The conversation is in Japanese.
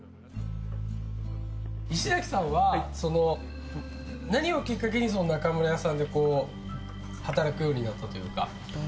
石崎さんは、何をきっかけに中村屋さんで働くようになったというか。